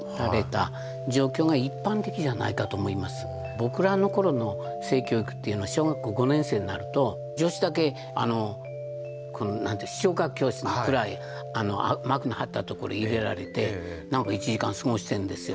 僕らの頃の性教育っていうのは小学校５年生になると女子だけ視聴覚教室の暗い幕の張ったところ入れられてなんか１時間過ごしてるんですよ。